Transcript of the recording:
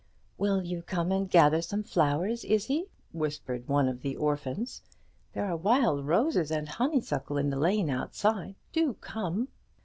"Will you come and gather some flowers, Izzie?" whispered one of the orphans. "There are wild roses and honeysuckle in the lane outside. Do come!"